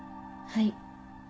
はい。